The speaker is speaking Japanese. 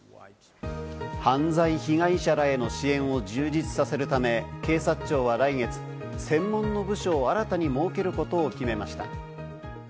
犯罪被害者らへの支援を充実させるため、警察庁は来月、専門の部署を新たに設けることを決めました。